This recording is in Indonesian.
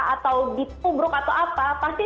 atau dipubruk atau apa pasti